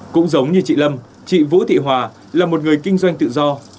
cũng giống như chị lâm chị vũ thị hòa là một người kinh doanh tự do